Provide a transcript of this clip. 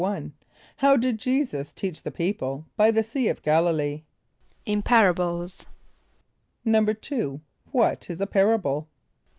= How did J[=e]´[s+]us teach the people by the Sea of G[)a]l´[)i] lee? =In parables.= =2.= What is a parable?